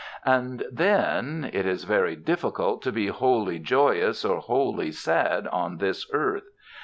And then it is very difficult to be wholly joyous or wholly sad on this earth.